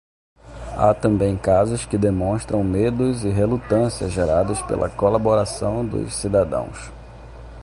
Há também casos que demonstram medos e relutância gerados pela colaboração dos cidadãos.